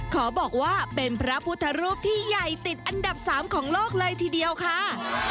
ขอบอกว่าเป็นพระพุทธรูปที่ใหญ่ติดอันดับ๓ของโลกเลยทีเดียวค่ะ